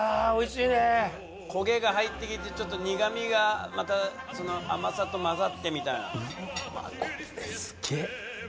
おいしいね焦げが入ってきてちょっと苦みがまたその甘さと混ざってみたいなこれすげえ